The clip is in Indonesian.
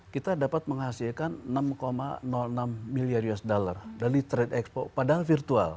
kita dapat menghasilkan enam enam miliar usd dari trade expo padahal virtual